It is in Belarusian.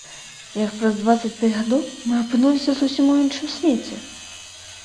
Як праз дваццаць пяць гадоў мы апынуліся зусім у іншым свеце?